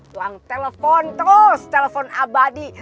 uang telepon terus telepon abadi